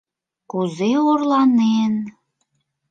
Кузе орланен?